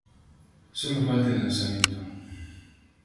Sólo falta el lanzamiento...